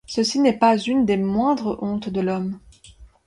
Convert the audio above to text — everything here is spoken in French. Ceci n'est pas une des moindres hontes de l'homme.